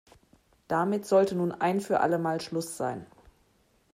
Damit sollte nun ein für alle Mal Schluss sein.